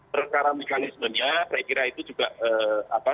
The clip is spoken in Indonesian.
perkara mekanismenya saya kira itu juga apa